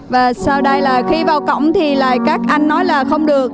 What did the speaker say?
và sau đây là khi vào cổng thì là các anh nói là không được